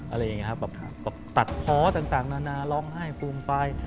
อะไรอย่างนี้ครับตัดพอต่างนานาร้องไห้ฟูมไป